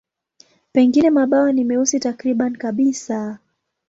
Pengine mabawa ni meusi takriban kabisa.